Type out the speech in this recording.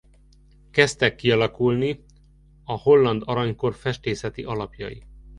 Kezdtek kialakulni a holland aranykor festészeti alapjai.